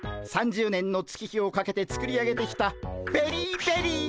３０年の月日をかけて作り上げてきたベリーベリー